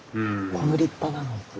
この立派なの。